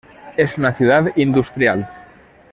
Es una ciudad industrial.